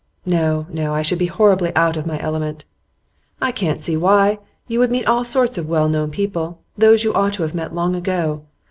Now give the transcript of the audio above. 'No, no. I should be horribly out of my element.' 'I can't see why. You would meet all sorts of well known people; those you ought to have met long ago.